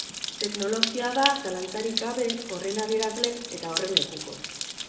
Teknologia da zalantzarik gabe horren adierazle eta horren lekuko.